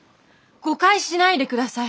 誤解しないで下さい。